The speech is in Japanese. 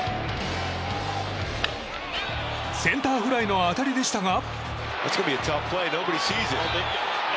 センターフライの当たりでしたが。